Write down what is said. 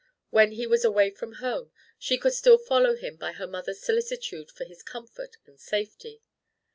When he was away from home, she could still follow him by her mother's solicitude for his comfort and safety.